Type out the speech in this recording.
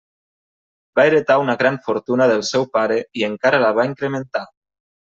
Va heretar una gran fortuna del seu pare i encara la va incrementar.